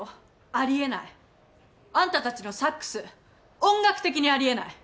ありえないあんたたちのサックス音楽的にありえない。